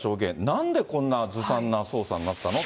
なんでこんなずさんな捜査になったの？